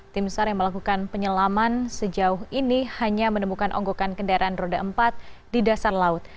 tim sar yang melakukan penyelaman sejauh ini hanya menemukan onggokan kendaraan roda empat di dasar laut